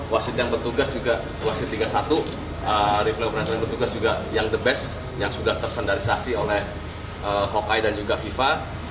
wasit yang bertugas juga wasit liga satu replay operator yang bertugas juga yang the best yang sudah tersendarisasi oleh hokai dan juga viva